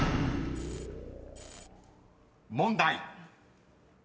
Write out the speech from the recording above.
［問題］